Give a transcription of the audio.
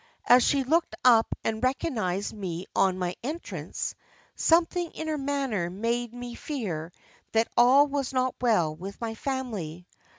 As she looked up and recognised me on my entrance, something in her manner made me fear that all was not well with my family.